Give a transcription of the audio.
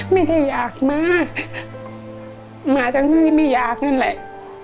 ไม่ได้อยากมามาทั้งที่ไม่อยากนั่นแหละ